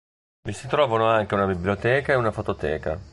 Vi si trovano anche una biblioteca e una fototeca.